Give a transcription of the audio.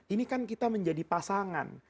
ini kan kita menjadi pasangan